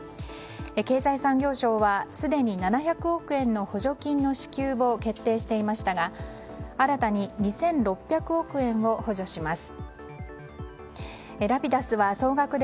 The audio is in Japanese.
経産省はすでに７００億円の補助金の支給を決定していましたが新たに２６００億円を補助します。